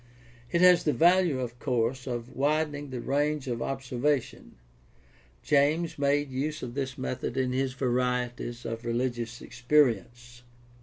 It has the value, of course, of widening the range of observation. James made use of this method in his Varieties of Religious Experience.